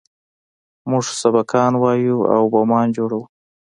موږ سبقان وايو او بمان جوړوو.